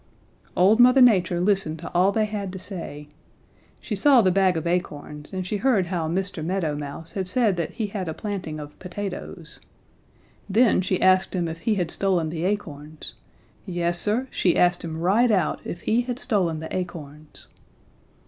"Old Mother Nature listened to all they had to say. She saw the bag of acorns and she heard how Mr. Meadow Mouse had said that he had a planting of potatoes. Then she asked him if he had stolen the acorns. Yes, Sir, she asked him right out if he had stolen the acorns.